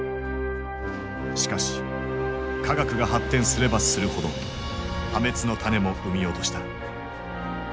しかし科学が発展すればするほど破滅の種も産み落とした。